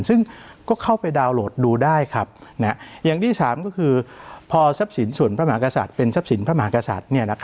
ซึ่งก็เข้าไปดาวน์โหลดดูได้ครับอย่างที่๓ก็คือพอทรัพย์สินส่วนพระมหากษัตริย์เป็นทรัพย์สินพระมหากษัตริย์